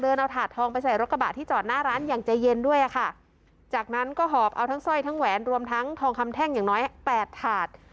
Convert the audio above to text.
เดินเอาถาดทองไปใส่รถกระบะที่จอดหน้าร้านอย่างใจเย็นด้วยอ่ะค่ะจากนั้นก็หอบเอาทั้งสร้อยทั้งแหวนรวมทั้งทองคำแท่งอย่างน้อยแปดถาด